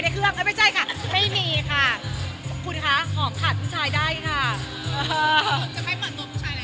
แล้ววันนี้ก็โสดสนิทดิจริง